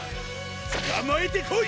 つかまえてこい！